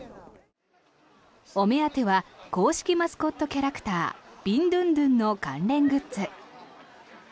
お目当ては公式マスコットキャラクタービンドゥンドゥンの関連グッズ。